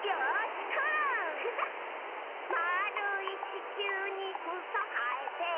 「まーるいちきゅうにくさはえて」